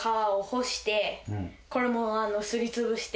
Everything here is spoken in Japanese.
これもあのすり潰して。